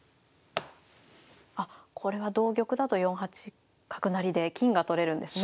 あっこれは同玉だと４八角成で金が取れるんですね。